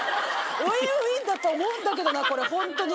ウィンウィンだと思うんだけどなこれホントに。